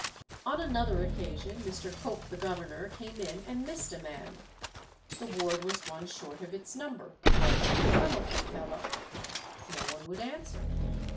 On another occasion Mr. Cope the governor came in and missed a man. The ward was one short of its number. What had become of the fellow? No one would answer.